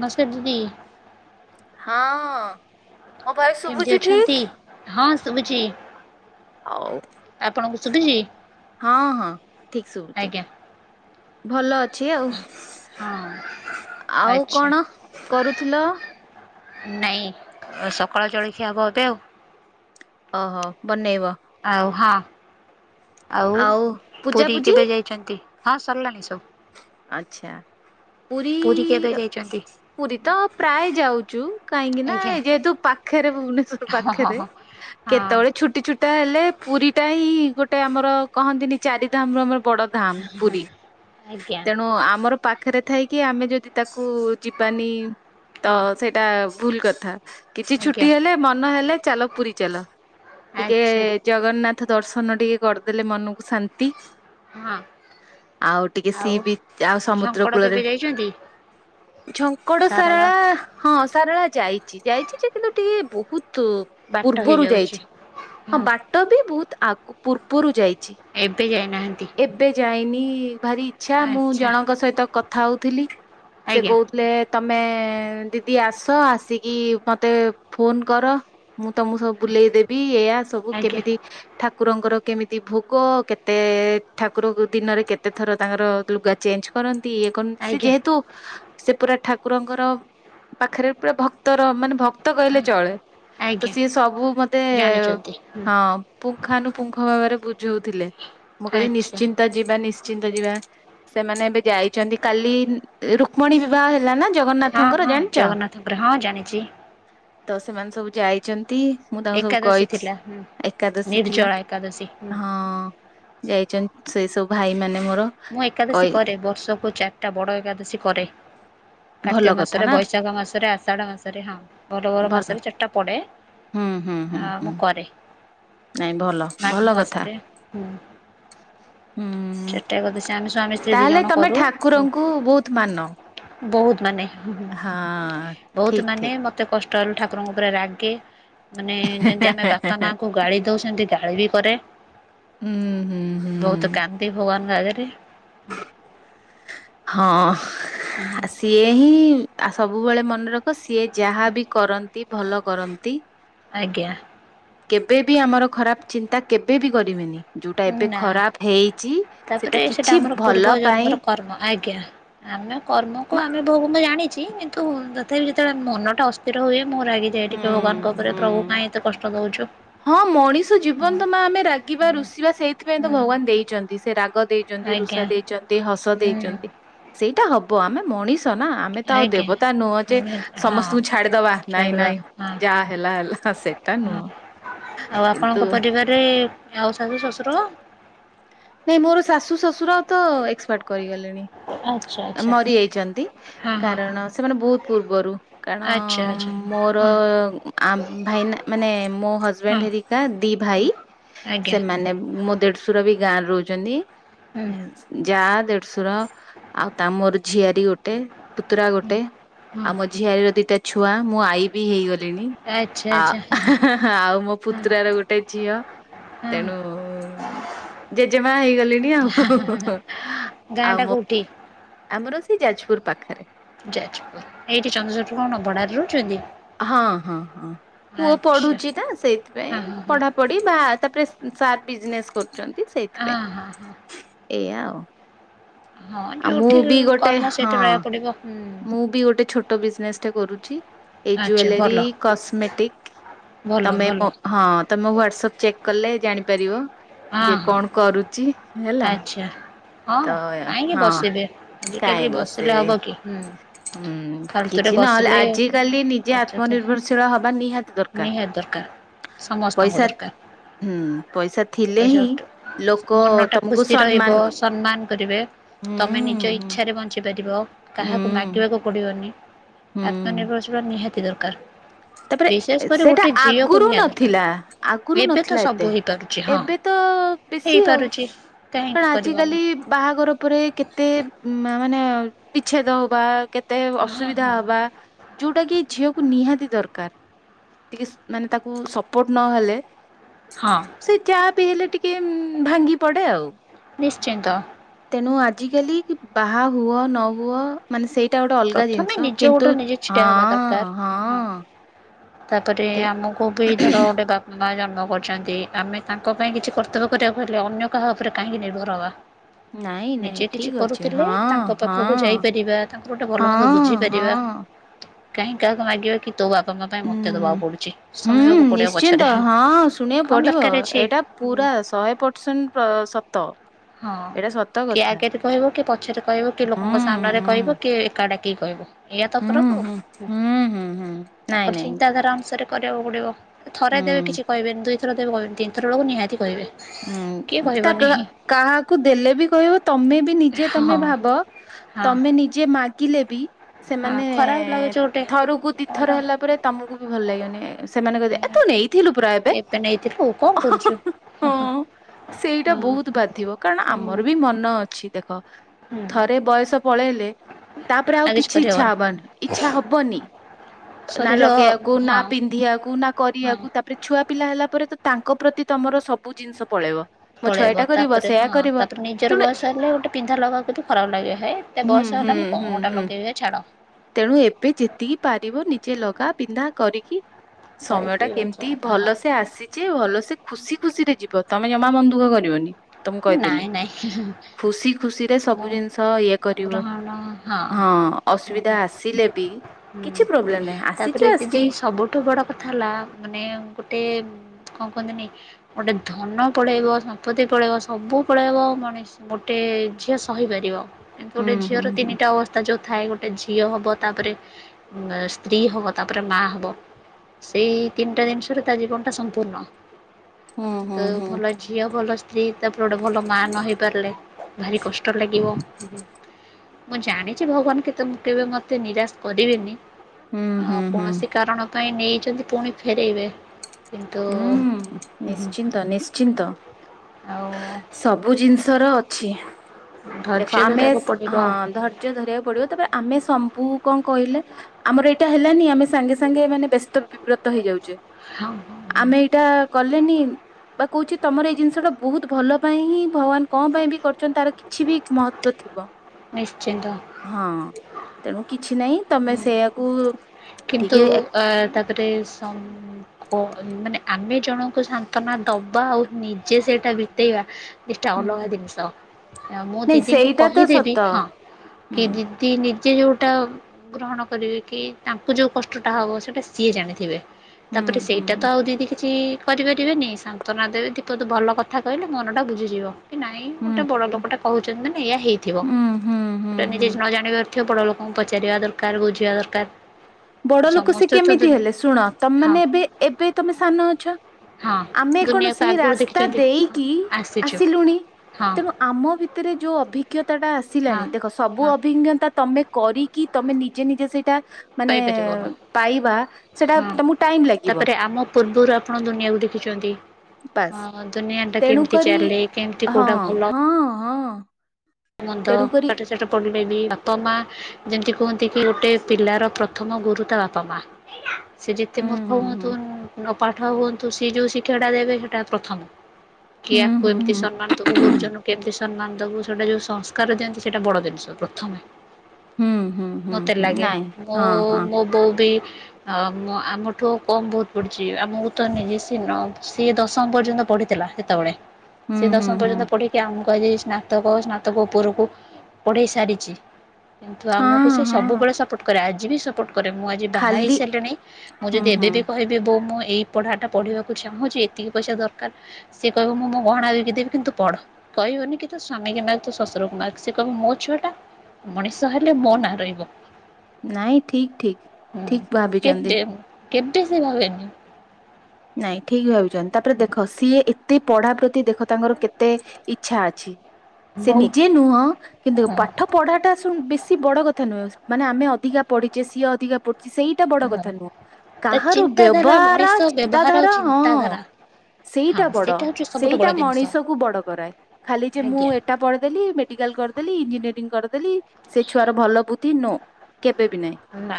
ନମସ୍କାର ଦିଦି। ହଁ। ମୋ ଭଏସ କେମିତି ଶୁଭୁଛି ଠିକ? ଅଛନ୍ତି, ହଁ ଶୁଭୁଛି। ଆଉ ଆପଣଙ୍କୁ ଶୁଭୁଛି? ହଁ ହଁ ଠିକ ଶୁଭୁଛି। ଆଜ୍ଞା ଭଲ ଅଛି। ଅଛି ଆଉ, ହଁ ଆଉ ଆଚ୍ଛା କଣ କରୁଥିଲ। ନାଇଁ ସକାଳ ଜଳଖିଆ ହବ ଏବେ ଆଉ। ଓହୋ ବନେଇବ ଓ ହା ଆଉ ପୂଜା ପୁରୀ ପୂଜି କେବେ ଯାଇଛନ୍ତି? ହଁ ସରିଲାଣି ସବୁ। ଆଚ୍ଛା। ପୁରୀ କେବେ ଯାଇଛନ୍ତି? ପୁରୀ ତ ପ୍ରାୟ ଯାଉଛୁ, କାହିଁକି ନା ଆଜ୍ଞା -ଯେହେତୁ ପାଖରେ ଭୁବନେଶ୍ୱର ହଁ ହଁ ହଁ ପାଖରେ ହଁ କେତେବେଳେ ଛୁଟି ଛୁଟା ହେଲେ ପୁରୀ ଏଇଟା ହିଁ ଗୋଟେ ଆମର କହନ୍ତିନି -ଚାରି ଧାମ ର ଆମର ବଡ ଧାମ -ପୁରୀ। ଆଜ୍ଞା ତେଣୁ ଆମର ପାଖରେ ଥାଇକି ଆମେ ଯଦି ତାକୁ ଯିବାନି ତ ହୁଁ ସେଇଟା ଭୁଲ କଥା କିଛି ଛୁଟି ଆଜ୍ଞା ହେଲେ ମନ ହେଲେ ଚାଲ ପୁରୀ ଚାଲ ଟିକେ ଆଚ୍ଛା ଜଗନ୍ନାଥ ଦର୍ଶ ନ ଟିକେ କରିଦେଲେ ମନକୁ ଶାନ୍ତି ହଁ ଆଉ ଟିକେ ସି ବି ଆଉ ସମୁଦ୍ର ଝଙ୍କଡ଼ କୂଳରେ କେବେ ଯାଇଛନ୍ତି? ଝଙ୍କଡ ଶାରଳା ସାରଳା ହଁ ସାରଳା ଯାଇ ଯାଇଛି ଯେ କିନ୍ତୁ ଟିକେ ବହୁତ ବାଟ ପୂର୍ବରୁ ହେଇଯାଉଛି ଯାଇଛି ହଁ ବାଟ ବି ବହୁତ ଆଗୁ ପୂର୍ବରୁ ଯାଇ ଏବେ [unintelligible] କୋଇ ଏବେ ଯାଇନି। ଭାରି ଇଚ୍ଛା ମୁଁ ଆଚ୍ଛା ଜଣଙ୍କ ସହିତ କଥା ହଉଥିଲି ସେ ଆଜ୍ଞା କହୁଥିଲେ ତମେ ଦିଦି ଆସ, ଆସିକି ମତେ ଫୋନ କର ମୁଁ ତମକୁ ସବୁ ବୁଲେଇ ଦେବି ଏଇଆ ସବୁ ଆଜ୍ଞା କେମିତି ଠାକୁରଙ୍କର କେମିତି ଭୋଗ, କେତେ ଠାକୁର ଦିନରେ କେତେଥର ତାଙ୍କର ଦୁର୍ଗ ଚେଞ୍ଜ କରନ୍ତି ଇଏ କନ୍ ସେ ଆଜ୍ଞା ଯେହେତୁ ସେ ପୁରା ଠାକୁ ଠାକୁରଙ୍କର ପାଖରେ ପୁରା ଭକ୍ତର ମାନେ ଭକ୍ତ କହିଲେ ଚଳେ। ତ ଆଜ୍ଞା ସିଏ ସବୁ ମତେ ଜାଣିଛନ୍ତି ହୁଁ ହଁ ପୁଙ୍ଗାନୁପୁଙ୍ଗ ଭାବରେ ବୁଝଉଥିଲେ, ମୁଁ କହିଲି ଆଚ୍ଛା ନିଶ୍ଚିନ୍ତା ଯିବା। ଚିନ୍ତ [unintelligible] ଯିବା ସେମାନେ ଏବେ ଯାଇଛନ୍ତି କାଲି ରୁକ୍ମଣୀ ବିବାହ ହେଲା ନା ହଁ ଜଗନ୍ନାଥଙ୍କର ହଁ ଜାଣିଛ ଜଗନ୍ନାଥଙ୍କର ହଁ ଜାଣିଛି ତ ସେମାନେ ସବୁ ଯାଇଛନ୍ତି ମୁଁ ତାଙ୍କୁ ସବୁ ଏକାଦଶୀ କହିଛି, ଥିଲା ହୁଁ ଏକାଦଶୀ ଥିଲା, ନିର୍ଜଳା ଏକାଦଶୀ ହୁଁ ହଁ। ଯାଇଛନ୍ତି ସେଇ ସବୁ ଭାଇମାନେ ମୁଁ ଏକାଦଶୀ କରେ ବର୍ଷକୁ ଚାରଟା ବଡ଼ ଏକାଦଶୀ କରେ। ଭଲ କାର୍ତ୍ତିକ କଥା ମାସରେ ନା ବୈଶାଖ ମାସରେ ଆଷାଢ ମାସରେ ହଁ ବଲବର ମାସରେ ଚାରଟା ପଡେ। ହୁ ହୁ ହୁ ହୁ। ମାଘ ମାସରେ ହୁଁ। ଚା ସ ଆମୀ ସ୍ୱାମୀ ସ୍ତ୍ରୀ ଦି ତାହେଲେ ଜଣ ତମେ କରୁ ଠାକୁରଙ୍କୁ ବହୁତ ମାନ ବହୁତ ମାନେ ହୁଁ ହୁଁ ହଁ ବୋହୁତ ଠିକ ମାନେ ଠିକ। ମତେ କଷ୍ଟ ଲ ଠାକୁରଙ୍କ ଉପରେ ରାଗେ ମାନେ ଯେମିତି ଆମେ ବାପା ମାଙ୍କୁ ଗାଳି ଦୋଉ ସେମତି ଗାଳି ବି କରେ ହୁଁ ହୁଁ ବୋହୁତ ହୁଁ। କାନ୍ଦି ଭଗବାନ ଆଗରେ। ହଁ ଆ ସିଏ ହିଁ ଆ ସବୁବେଳେ ମନେ ରଖ ସିଏ ଯାହା ବି କରନ୍ତି ଭଲ କରନ୍ତି। ଆଜ୍ଞା। କେବେବି ଆମର ଖରାପ ଚିନ୍ତା କେବେବି କରିବେନି। ଯଉଟା ଏବେ ନା ଖରାପ ହେଇଚି ତାପରେ ସେଟା କିଛି ଆମର ପୂର୍ବ ଭଲ ଜନ୍ମର ପାଇଁ କର୍ମ ଆଜ୍ଞା ଆମେ କର୍ମକୁ ମା- ଆମେ ବୋଉ ମୁଁ ଜାଣିଚି କିନ୍ତୁ ତଥାପି ଯେତେବେଳେ ମନ ଟା ଅସ୍ଥିର ହୁଏ ମୁଁ ରାଗି ଦିଏ ହୁଁ ଟିକେ ଭଗବାନଙ୍କ କରେ ହୁଁ ପ୍ରଭୁ କାଇହିଁ ଏତେ କଷ୍ଟ ଦୋଉଚୁ। ହଁ ମଣିଷ ଜୀବନ ତ ମା ଆମେ ରାଗିବା ହୁଁ ରୁଷି ସେଥିପାଇଁ ହୁଁ ତ ଭଗବାନ ଦେଇଚନ୍ତି ସେ ରାଗ ଦେଇଚନ୍ତି ଆଜ୍ଞା ରୁଷା ଦେଇଚନ୍ତି ହସ ହୁଁ ଦେଇଚନ୍ତି। ସେଇଟା ହବ ଆମେ ମଣିଷ ନା ଆମେ ତ ଆଉ ଆଜ୍ଞା। ଦେବତା ନୁହଁ ଯେ ହଁ ସମସ୍ତଙ୍କୁ ଛାଡିଦବା ନାଇଁ ଛାଡ଼ିଦ ନାଇଁ। ହଁ ଯା ହେଲା ହେଲା ସେଟା ନୁହଁ। ହଁ ଆଉ କିନ୍ତୁ ଆପଣଙ୍କ ପରିବାରରେ ଆଉ ଶାଶୁ ଶଶୁର ନାଇଁ ମୋର ଶାଶୁ ଶଶୁର ତ ଏକ୍ସପାର୍ଟ କରିଗଲେଣି। ଆଚ୍ଛା ଏ ଆଚ୍ଛା ମରିଯାଇଛନ୍ତି। ହଁ ହଁ କାରଣ ସେମାନେ ବହୁତ ପୂର୍ବରୁ କାରଣ ଆଚ୍ଛା ଆଚ୍ଛା ମୋର ହଁ ଆ ମାନେ ଭାଇନ୍ ମୋ ହଁ ହଜବେଣ୍ଡ ହେରିକା ଦିଇ ଭାଇ। ଆଜ୍ଞା ସେମାନେ ମୋ ଦେଢଶୁର ବି ଗାଁରେ ରୋହୁଚନ୍ତି ହୁଁ ଯା ଦେଢଶୁର ଆଉ ତା ମୋର ଝିଆରୀ ଗୋଟେ। ପୁତୁରା ଗୋଟେ ହଁ ଆଉ ମୋ ଝିଆରୀ ର ଦିଇଟା ଛୁଆ ମୁଁ ଆଈ ବି ହେଇଗଲି। ଲିଣି ଆଚ୍ଛା ଆ ଆଚ୍ଛା ହଁ ହା ହା ହା ଆଉ ମୋ ପୁତୁରାର ଗୋଟେ ଝିଅ। ହଁ ତେଣୁ ଜେଜେମା ହେଇଗଲି। ଲି ଗାଁ ଆଉ ଟା ମୋ କୋଉଠି? ଆମର ସେଇ ଯାଜପୁର ପାଖରେ। ଯାଜପୁର ଏଇଠି ଚନ୍ଦ୍ରଶେଖର କଣ ନବଡ଼ାରେ ରହୁଛନ୍ତି? ହଁ ହଁ ହଁ ପୁଅ ଆଚ୍ଛା ପଢୁଚି ନା ସେଇଥିପାଇଁ ହଁ ହଁ ହଁ ପଢାପଢି ବା ତାପରେ ସେ ସାର୍ ବିଜନେସ୍ କରୁଛଚନ୍ତି। ହଁ ହଁ ହଁ। ଏଆ ଆଉ। ହଁ ଆଉ ମୁଁ ଯୋଉଠି ବି ଗୋଟେ କର୍ମ ହଁ। ସେଇଠି ରହିବାକୁ ପଡିବ ହୁଁ ମୁଁ ବି ଗୋଟେ ଛୋଟ ବିଜନେସ୍ ଟେ କରୁଛି ଏଇ ଆଚ୍ଛା ଜୁଲେରି ଭଲ। କସ୍ମେଟିକ୍ ଭଲ ତମେ ଭଲ ମ ହଁ ତମ ୱାଟସାପ ଚେକ୍ କଲେ ଜାଣିପାରିବ ହଁ ଯେ ହଁ କଣ କରୁଚି ହେଲା। ଆଚ୍ଛା। ହଁ ତ କାହିଁକି ହଁ ବସିବେ କାହିଁ ଆଜିକାଲି ବସିଲେ ବସିବି। ହବ କି। ହୁଁ, ହୁଁ ଫାଲତୁରେ କିଛି ନହେଲେ ବସିଲେ ଆଜି କାଲି ନିଜେ ଅଯଥା ଆତ୍ମନିର୍ଭରଶୀଳ ହବା ନିହାତି ଦରକାର। ସମସ୍ତଙ୍କୁ ପଇସା ଦରକାର ହୁଁ, ପଇସା ଥି ଥିଲେ ପଇସା ହିଁ ଉଠ ଲୋକ ମନଟା ତମକୁ ଖୁସି ରହିବ ସମ୍ମାନ ସମ୍ମାନ କରିବେ, ହୁଁ ତୋମେ ନିଜ ଇଚ୍ଛାରେ ବଞ୍ଚି ପାରିବ। ହୁଁ କାହାକୁ ମାଗିବାକୁ ପଡିବନି। ହୁଁ ଆତ୍ମନିର୍ଭରଶୀଳ ନିହାତି ଦରକାର। [inaudible] ତାପରେ ବିଶେଷ କରି ସେଇଟା ଗୋଟେ ଝିଅକୁ ଆଗରୁ ନିହାତି ଦରକାର। ନଥିଲା ଆଗରୁ ଏବେ ତ ନଥିଲା ସବୁ ଏତେ ହେଇପାରୁଛି ହଁ ଏବେ ହେଇପାରୁଛି। କାହିଁକି କଣ ଆଜିିକାଲି କରିବନି। ବାହାଘର ପରେ କେତେ ମା ମାନେ ଆଉ ବିଚ୍ଛେଦ ହବା କେତେ ହଁ ଅସୁବିଧା ହଁ ହବା ଯୋଉଟା କି ଝିଅକୁ ନିହାତି ଦରକାର ଟିକେ ମାନେ ତାକୁ ସପୋର୍ଟ ନହଲେ ହଁ ସେ ଯା ବି ହେଲେ ଟିକେ ଉଁ, ଭାଙ୍ଗି ପଡେ ଆଉ। ନିଶ୍ଚିନ୍ତ। ତେଣୁ ଆଜିକାଲି ବାହା ହୁଅ ନ ହୁଅ ମାନେ ସେଇ ଏଟା ଗୋଟେ ଅଲଗା ପ୍ରଥମେ ଜିନିଷ ନିଜ କିନ୍ତୁ, ଗୋଡ଼ରେ ନିଜେ ଛିଡ଼ା ହେବା ଦରକାର। ହଁ, ହଁ ତାପରେ ଆମକୁ ବି ଧର ଗୋଟେ ବା ମା ଜନ୍ମ କରିଛନ୍ତି। ଆମେ ତାଙ୍କ ପାଇଁ କିଛି କର୍ତ୍ତବ୍ୟ କରିବାକୁ ହେଲେ ଅନ୍ୟ କାହା ଉପରେ କାହିଁକି ନିର୍ଭର ହବା। ନାଇଁ ନାଇଁ ନିଜେ କିଛି ଠିକ ଅଛି କରୁଥିଲେ ହଁ ତାଙ୍କ ହଁ ପାଖକୁ ଯାଇପାରିବା। ତାଙ୍କ ଗୋଟେ ଭଲ ମନ୍ଦ ହଁ ବୁଝିପାରିବା। ହଁ। କାହିଁ କାହାକୁ ମାଗିବା କି ତୋ ବା ମୋ ପାଇଁ ମତେ ହୁଁ ଦବାକୁ ପଡୁଛି ହୁଁ ଶୁଣିବାକୁ ପଡିବା ନିଶ୍ଚିନ୍ତ ପଛରେ କଣ ଦରକାର ଅଛି। ତା ଶହେ ପରସେଣ୍ଟ ପ ସତ। ହଁ ଏଇଟା ସତ କିଏ କଥା ଆଗରେ କହିବ। କିଏ ପଛରେ କହିବ। କିଏ ହୁଁ ଲୋକଙ୍କ ସାମ୍ନାରେ ହୁଁ। କହିବ। କିଏ ଏକା ଡାକିକି କହିବ ଏୟା ତ ହୁଁ ଫରକ୍। ହୁଁ ହୁଁ ହୁଁ ହୁଁ ନାଇଁ ତାଙ୍କର ନାଇଁ ଚିନ୍ତାଧାରା ଅନୁସାରେ କରିବାକୁ ପଡ଼ିବ। ଥରେ ହୁଁ। ଦେବେ କିଛି କହିବେନି। ଦୁଇଥର ଦେବେ କହିବେନି। ତିନିଥର ବେଳକୁ ନିହାତି କହିବେ। କିଏ ଉଁ, ତା କା କହିବନି। କାହାକୁ ଦେଲେ ବି କହିବ। ତୋମେ ବି ନିଜେ ତୋମେ ହଁ ଭାବ ହଁ ତୋମେ ନିଜେ ମା କିଲେ ବି ହଁ ସେମାନେ ଖରାପ ଲାଗୁଛି ଗୋଟେ ଥରକୁ କଣଟା। ଦିଥର ହେଲା ପରେ ତୋମକୁ ବି ଭଲ ଲାଗିବନି। ସେମାନେ କହିଦେବେ ଏ ତୁ ନେଇଥିଲୁ ପୁରା ଏବେ। ହଉ, କଣ କରୁଚୁ? ହଁ ସେଇଟା ବହୁତ ବାଧିବ କାରଣ ହୁଁ ଆମର ବି ମନ ଅଛି ଦେଖ ହୁଁ ଥରେ ବୟସ ପଳେଇଲେ ତାପରେ ଆଉ କିଛି ଇଛା ହବନି ଇଚ୍ଛା ହବନି। ନା ଶରୀର ଲଗେଇବାକୁ ନା ହଁ ପିନ୍ଧିବାକୁ ନା ହଁ କରିବାକୁ ତାପରେ ଛୁଆ ପିଲା ହେଲା ପରେ ତ ତାଙ୍କ ପ୍ରତି ତମର ସବୁ ଜିନିଷ ପଳେଇବ। ମୋ ଛୁଆ ପଳେଇବ ଏଇଟା କରିବ ତାପରେ ସେୟା ହଁ କରିବ ତାପରେ ନିଜର ତେଣୁ ବୟସ ହେଲେ ଗୋଟେ ପିନ୍ଧା ଲଗବାକୁ ବି ଖରାପ ଲାଗିବ ହେ ଏତେ ହୁଁ ବୟସ ହୁଁ ହେଲାଣି ହୁଁ କଣଗୋଟେ ହୁଁ ଲଗେଇବ ହେ ଛାଡ଼। ତେଣୁ ଏବେ ଯେତିକି ପାରିବ ନିଜେ ଲଗା ପିନ୍ଧା କରିକି ସମୟ ଟା କେମିତି ଭଲ ସେ ଆସିଚି ଭଲ ସେ ଖୁସି ଖୁସିରେ ଯିବ ତମେ ଜମା ମନ ଦୁଃଖ କରିବନି। ତ ମୁଁ କହିଦେଲି ନାଇଁ ନାଇଁ ଖୁସି ଖୁସି ରେ ସବୁ ମୁଁ ଜିନିଷ ଇଏ କରିବ ହଁ। ହଁ ଅଶୁ ହୁଁ ଅସୁବିଧା ଆସିଲେ ବି ହୁଁ କିଛି ପ୍ରୋବ୍ଲେମ୍ ନାହିଁ ଆସିଚି ତାପରେ ଦିଦି ଆସିଚି। ସବୁଠୁ ବଡ କଥା ହେଲା ମାନେ ଗୋଟେ କଣ କହନ୍ତିନି ଗୋଟେ ଧନ ପଳେଇବ ସମ୍ପତ୍ତି ପଳେଇବ ସବୁବେଳେ ମଣିଷ ଗୋଟେ ଝିଅ ସହିପାରିବ କିନ୍ତୁ ଗୋଟେ ହୁଁ ହୁଁ ଝିଅର ହୁଁ ତିନିଟା ଅବସ୍ଥା ଯଉ ଥାଏ ଗୋଟେ ଝିଅ ହବ, ତାପରେ ସ୍ତ୍ରୀ ହବ, ତାପରେ ମା ହବ ସେଇ ତିନିଟା ଜିନିଷରେ ତା ଜୀବନ ଟା ସମ୍ପୂର୍ଣ୍ଣ। ତ ହୁଁ ହୁଁ ଭଲ ଝିଅ ଭଲ ସ୍ତ୍ରୀ ତାପରେ ଗୋଟେ ଭଲ ମାଁ ନ ହେଇ ପାରିଲେ ଭାରି କଷ୍ଟ ହୁଁ ଲାଗିବ। ମୁଁ ଜାଣିଛି ଭଗବାନ କେତେ ମୁଁ କେବେ ମତେ ନିରାଶ କରିବେନି। ହୁଁ ଆଉ ହୁଁ ହୁଁ କୌଣସି କାରଣ ପାଇଁ ନେଇଛନ୍ତି ପୁଣି ଫେରେଇବେ। କିନ୍ତୁ ହୁଁ ହୁଁ ହୁଁ। ନିଶ୍ଚିନ୍ତ-ନିଶ୍ଚିନ୍ତ ଆଉ ସବୁ ଜିନିଷର ଦେଖ ଧୈର୍ଯ୍ୟ ଆମେ ଧରିବାକୁ ପଡିବ ହଁ ଧର୍ଯ୍ୟ ଧରିବାକୁ ପଡିବ ତାପରେ ଆମେ ସଂପୁ କହିଲେ ଆମର ଏଇଟା ହେଲାନି ଆମେ ସାଙ୍ଗେ-ସାଙ୍ଗେ ମାନେ ବ୍ୟସ୍ତ ବିବ୍ରତ ହେଇଯାଉଛେ। ହଁ। ଆମେ ଏଇଟା କଲେନି ବା କହୁଛି ତମର ଏଇ ଜିନିଷ ଟା ବହୁତ ଭଲ ପାଇଁ ହିଁ ଭଗବାନ କଣ ପାଇଁ ବି କରି ତାର କିଛି ବି ମହତ୍ଵ ଥିବ ନିଶ୍ଚିନ୍ତ। ହଁ ତେଣୁ କିଛି ନାଇଁ ତମେ ସେଇଆକୁ କିନ୍ତୁ ଟିକେ ଏ- ଅ ତାପରେ ଓ ମାନେ ଆମେ ଜଣଙ୍କୁ ସାନ୍ତନା ଦବା ଆଉ ନିଜେ ସେଇଟା ବିତେଇବା ଦୁଇଟା ହୁଁ ଅଲଗା ଜିନିଷ ମୁଁ ନାଇଁ ଦିଦିଙ୍କୁ ସେଇଟା ତ କହିଦେବି ସତ ହଁ। ହୁଁ କି ଦି ତିନ୍ ଦିନ। ସି ଯୋଉଟା ଗ୍ରହଣ କରିବେ କି ତାଙ୍କୁ ଯୋଉ କଷ୍ଟଟା ହବ ସେଇଟା ସିଏ ଜାଣିଥିବେ। ହୁଁ ତାପରେ ହୁଁ ସେଇଟା ହୁଁ ତ ଆଉ ଦିଦି କିଛି କରିପାରିବେ ନାଇ ସାନ୍ତ୍ୱନା ଦେବେ ଦୁଇ ପଦ ଭଲ କଥା କହିଲେ ମନ ଟା ବୁଝିଯିବ। ନାଇଁ ଗୋଟେ ହୁଁ। ବଡ଼ ଲୋକଟା କହୁଛନ୍ତି ନା ଏଇଆ ହେଇଥିବ ହୁଁ ହୁଁ ହୁଁ ସେଟା ହୁଁ। ନିଜେ ନଜାଣିବା ଲୋକଙ୍କୁ ପଚାରିବା ଦରକାର ବୁଝିବା ଦରକାର। ବୁଝିବା ଦରକାର। ବଡ ଲୋକ ସେ ସମସ୍ତେ ତ କେମିତି ଦୁନି ହେଲେ ଶୁଣ ହଁ ତମମାନେ ଏବେ ଏବେ ତମେ ସାନ ଅଛ। ହଁ ଆମେ ଦୁନିଆକୁ କୌଣସି ଆଗରୁ ରାସ୍ତା ଦେଖିଛନ୍ତି ଦେଇକି ଆସିଛୁ ଆସିଲୁଣି। ହଁ ତେଣୁ ଆମ ଭିତରେ ଯୋଉ ଅଭିଜ୍ଞତା ଟା ହଁ ଆସିଲାଣି ଦେଖ ସବୁ ହଁ ଅଭିଜ୍ଞତା ତମେ କରିକି ତମେ ନିଜେ ନିଜେ ସେଇଟା ମାନେ କହିପାରିବୁନୁ ପାଇବା ସେଟା ହଁ ତମକୁ ଟାଇମ୍ ଲାଗିବ। ତାପରେ ଆମ ପୂର୍ବରୁ ଆପଣ ଦୁନିଆକୁ ଦେଖିଛନ୍ତି। ବାସ୍ ହଁ ଦୁନିଆ ଟା କେମିତି ତେଣୁକରି ଚାଲେ କେମତି ହଁ କୋଉଟା ଭଲ ହଁ ହଁ। ମନ୍ଦ ତେଣୁକରି ପାଠ ସାଠ ପଢ଼ି ଯେମିତି କୁହନ୍ତି କି ଗୋଟେ ପିଲାର ପ୍ରଥମ ଗୁରୁ ତା ବାପା ମା। ସେ ଯେତେ ହୁଁ ମୂର୍ଖ ହୁଁ ହୁଅନ୍ତୁ ହୁଁ ଅପାଠ ହୁଅନ୍ତୁ ସେ ଯୋଉ ଶିକ୍ଷା ଟା ଦେବେ ସେଟା ପ୍ରଥମ। କି ଇଆକୁ ହୁଁ ହୁଁ ଏମିତି ହୁଁ। ସମ୍ମାନ ଦବୁ ଗୁରୁଜନଙ୍କୁ କେମିତି ସମ୍ମାନ ଦବୁ ସେଇଟା ଯୋଉ ସଂସ୍କାର ଦିଅନ୍ତି ସେଇଟା ବଡ ଜିନିଷ ପ୍ରଥମେ। ହୁଁ ହୁଁ ହୁଁ ମତେ ହୁଁ ଲାଗେ ନାଇଁ ମୋ ହଁ ହଁ ମୋ ବୋଉ ବି ଆ ଆମଠୁ କମ ବହୁତ ପଡୁଛି ଆମକୁ ତ ମାନେ ସେ ଦଶମ ପର୍ଯ୍ୟନ୍ତ ପଢଥିଲା ସେତେବେଳେ, ହୁଁ ସେ ହୁଁ ଦଶମ ହୁଁ। ପର୍ଯ୍ୟନ୍ତ ପଢିକି ଆମକୁ ଆଜି ସ୍ନାତକ ସ୍ନାତକ ଉପରକୁ ପଢ଼େଇ ସାରିଛି, କିନ୍ତୁ ଆମକୁ ହଁ ସେ ହଁ ସବୁବେଳେ ସପୋର୍ଟ କରେ ଆଜି ବି ସପୋର୍ଟ କରେ ମୁଁ ଆଜି ବାହା ହେଇ ଖାଲି ସାରିଲିଣି, ମୁଁ ହୁଁ ଯଦି ହୁଁ ଏବେ ବି କହିବି ବୋଉ ମୁଁ ଏ ପଢା ଟା ପଢିବାକୁ ଚାହୁଁଛି ଏତିକି ପଇସା ଦରକାର, ସେଏ କହିବ ମୁଁ ମୋ ଗହଣା ବିିକି ଦେବି କିନ୍ତୁ ପଢ଼। କହିବନି କି ତୁ ସ୍ୱାମୀ କି ମାଗ୍ ଶଶୁର କୁ ମାଗ୍ କବି ମୋ ଛୁଆ ଟା ମଣିଷ ହେଲେ ମୋ ନାଁ ରହିବ। ନାଇଁ ହୁଁ ଠିକ୍-ଠିକ୍-ଠିକ୍ କେବେ ଭାବିଛନ୍ତି। କେବେ ସେ ଭାବିନି। ନାଇଁ ଠିକ୍ ଭାବିଛନ୍ତି ତାପରେ ଦେଖ ସିଏ ଏତେ ପଢା ପ୍ରତି ଦେଖ ତାଙ୍କର କେତେ ଇଚ୍ଛା ଅଛି। ସେ ବହୁତ ନିଜେ ନୁହଁ, କିନ୍ତୁ ହଁ ପାଠ ପଢାଟା ଶ ବେଶୀ ବଡ କଥା ନୁହେଁ। ମାନେ ଆମେ ଅଧିକା ପଢିଛେ ସିଏ ଅଧିକା ପଢ ସେଇଟା ବଡ ହଁ କଥା ନୁହଁ ତା କାହାର ଚିନ୍ତାଧାରା ବ୍ୟବହାରା ମଣିଷ ବ୍ୟବହାର ଆଉ ଚିନ୍ତାଧାରା ହଁ ଚିନ୍ତାଧାରା ହଁ ସେଇଟା ବଡ଼, ହଉଛି ସବୁଠୁ ସେଇଟା ବଡ଼ ଜିନିଷ। ମଣିଷକୁ ବଡ଼ କରାଏ ଖାଲି ଯେ ମୁଁ ଆଜ୍ଞା ଏଟା ପଢ଼ିଦେଲି। କରିଦଲି ଇଞ୍ଜିନିୟରିଂ କରିଦେଲି, ସେ ଛୁଆ ଭଲ ବୁଦ୍ଧ ନୋ କେବେ ବି ନାହିଁ ନା,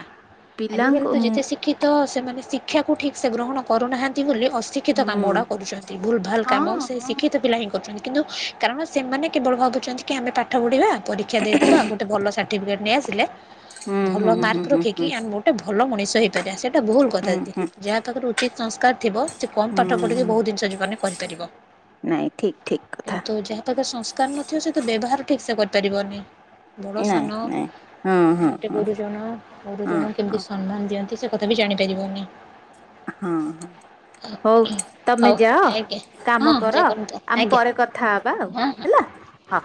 ଆଜିକାଲି ପିଲାଙ୍କୁ ତ ଯେତେ ଶିକ୍ଷିତ ସେମାନେ ଶିକ୍ଷାକୁ ଠିକ ସେ ଗ୍ରହଣ କରୁନାହାନ୍ତି ବୋଲି, ଅଶିକ୍ଷିତ କାମ ହୁଁ ଗୁଡ଼ା କରୁଛନ୍ତି ଭୁଲ୍ ଭାଲ ହଁ କାମ ସେ ହଁ ଶିକ୍ଷିତ ପିଲା ହିଁ କରୁଛନ୍ତି। କିନ୍ତୁ କାରଣ ସେମାନେ, କେବଳ ଭାବୁଛନ୍ତି କି ଆମେ ପାଠ ପଢିବା ପରୀକ୍ଷା ଦେଇଦବା, ଆଉ ଗୋଟେ ଭଲ ସାର୍ଟିଫିକେଟ୍ ନେଇଆସିଲେ ଭଲ ହୁଁ ହୁଁ ମାର୍କ ହୁଁ ହୁଁ ରଖିକି, ହୁଁ ଆମ ଗୋଟେ ଭଲ ମଣିଷ ହେଇପାରିବା, ସେଇଟା ଭୁଲ କଥା ହୁଁ ଦିଦି ହୁଁ ଯାହା ପାଖରେ ଉଚିତ୍ ସଂସ୍କାର ଥିବ କମ ହୁଁ ପାଠ ପଢିକି, ହୁଁ ବହୁତ ଜିନିଷ ଜୀବନରେ କରିପାରିବ ନାଇଁ ଠିକ ଠିକ କଥା କିନ୍ତୁ ଯାହା ପାଖରେ ସଂସ୍କାର ସଂସ୍କାର ନଥିବ ସେ ତ ବ୍ୟବହାର ଠିକ ସେ କରିପାରିବନି। ନାଇଁ ନାଇଁ ହଁ ହଁ। ଗ ଗୁରୁଜନ, ହଁ ଗୁରୁଜନ ହଁ କେମିତି ସମ୍ମାନ ଦିଅନ୍ତି ସେ କଥା ବି ଜାଣି ପାରିବନି। ହଁ ହଁ। ହଉ ତମେ ହଉ ଯାଅ, ଆଜ୍ଞା କାମ ହଁ କର, ଜୟ କରନ୍ତୁ ଆମ ଆଜ୍ଞା ପରେ କଥା ହବା ଆଉ ହଁ। ହେଲା। ହଁ।